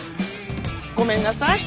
ごめんなさい